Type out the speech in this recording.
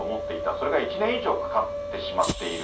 それが１年以上かかってしまっている。